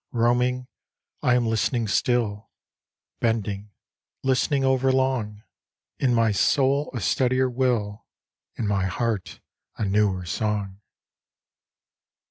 •••• Roaming, I am listening still, Bending, listening overlong. In my soul a steadier will. In my heart a newer song.